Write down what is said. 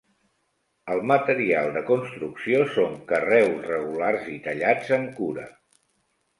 El material de construcció són carreus regulars i tallats amb cura.